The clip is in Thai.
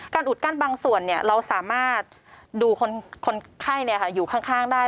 อุดกั้นบางส่วนเราสามารถดูคนไข้อยู่ข้างได้